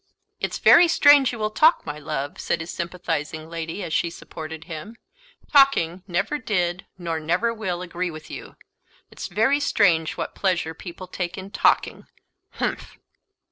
"It's very strange you will talk, my love," said his sympathising lady, as she supported him; "talking never did, nor never will agree with you; it's very strange what pleasure people take in talking humph!"